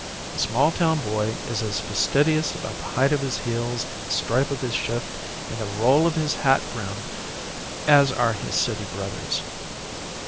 The small town boy is as fastidious about the height of his heels and the stripe of his shift and the roll of his hat brim as are his city brothers.